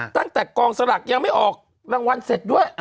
ตั้งแต่กองสลักยังไม่ออกรางวัลเสร็จด้วย